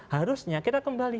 harusnya kita kembali